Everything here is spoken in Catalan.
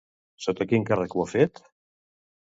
Sota quin càrrec ho ha fet?